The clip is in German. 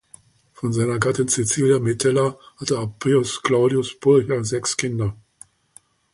Von seiner Gattin Caecilia Metella hatte Appius Claudius Pulcher sechs Kinder.